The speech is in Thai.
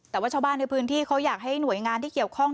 แต่ว่าชาวบ้านในพื้นที่เขาอยากให้หน่วยงานที่เกี่ยวข้อง